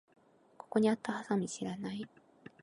ここにあったハサミ知らない？